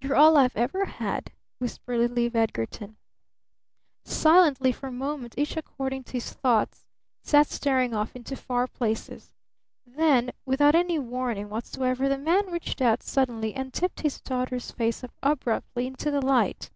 "You're all I've ever had," whispered little Eve Edgarton. Silently for a moment each according to his thoughts sat staring off into far places. Then without any warning whatsoever, the man reached out suddenly and tipped his daughter's face up abruptly into the light.